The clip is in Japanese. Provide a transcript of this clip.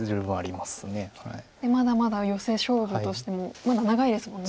まだまだヨセ勝負としてもまだ長いですもんね。